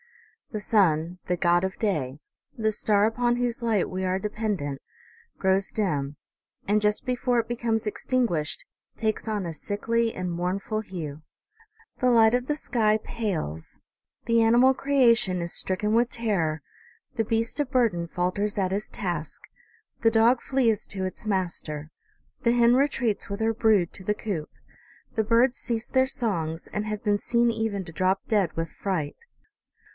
The sun, the god of day, the star upon whose light we are dependent, grows dim ; and, just before it becomes extinguished, takes on a sickly and mournful hue. The light of the sky pales, the animal creation is stricken with terror, the beast of burden falters at his task, the dog flees to its master, the hen retreats with her brood to the coop, the birds cease their songs, and have been seen even to drop dead with fright.